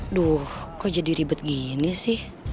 aduh kok jadi ribet gini sih